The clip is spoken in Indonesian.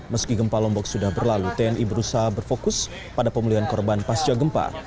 meski gempa lombok sudah berlalu tni berusaha berfokus pada pemulihan korban pasca gempa